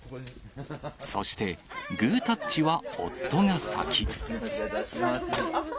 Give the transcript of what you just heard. そして、グータッチは夫が先。